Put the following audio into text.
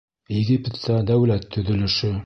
Египетта дәүләт төҙөлөшө.